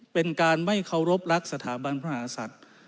เป็นการไม่เคารพรักสถาบันพระมหาศัตริย์